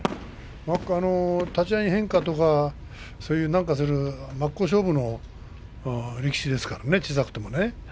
立ち合い変化とかそういうなんかする真っ向勝負の力士ですからね、小さくてもね。